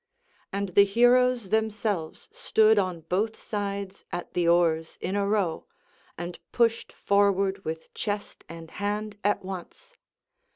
And the heroes themselves stood on both sides at the oars in a row, and pushed forward with chest and hand at once.